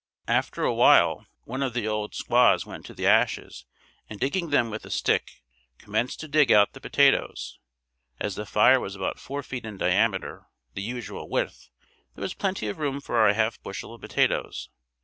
After a while, one of the old squaws went to the ashes and digging them with a stick, commenced to dig out the potatoes. As the fire was about four feet in diameter, the usual width, there was plenty of room for our half bushel of potatoes.